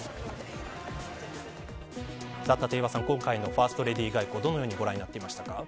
さあ立岩さん、今回のファーストレディー外交どのようにご覧になっていましたか。